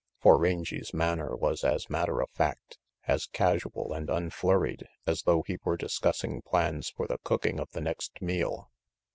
For Rangy's manner was as matter of fact, as casual and unflurried as though he were discussing plans for the cooking of the next meal.